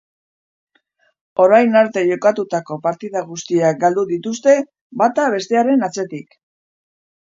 Orain arte jokatutako partida guztiak galdu dituzte, bata bestearen atzetik.